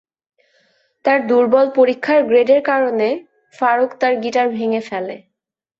তার দুর্বল পরীক্ষার গ্রেডের কারণে, ফারুক তার গিটার ভেঙ্গে ফেলে।